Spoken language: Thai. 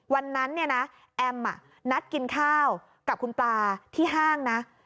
วันนั้นเนี่ยนะแอมนัดกินข้าวกับคุณปลาที่ห้างนะ